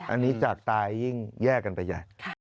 อันนี้จากตายยิ่งแยกกันไปใหญ่